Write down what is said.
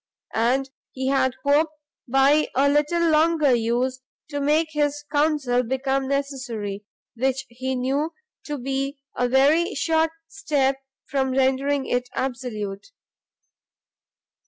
And he had hoped, by a little longer use, to make his counsel become necessary, which he knew to be a very short step from rendering it absolute.